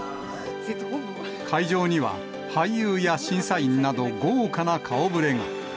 会場には俳優や審査員など豪華な顔ぶれが。